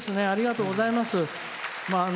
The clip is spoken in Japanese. ありがとうございます。